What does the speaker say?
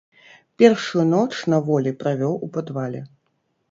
Першую ноч на волі правёў у падвале.